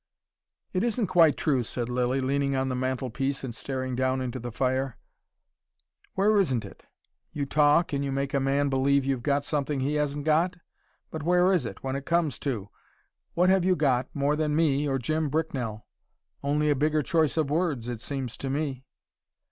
"It isn't quite true," said Lilly, leaning on the mantelpiece and staring down into the fire. "Where isn't it? You talk, and you make a man believe you've got something he hasn't got? But where is it, when it comes to? What have you got, more than me or Jim Bricknell! Only a bigger choice of words, it seems to me."